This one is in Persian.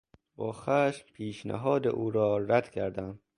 با خشم پیشنهاد او را رد کردم.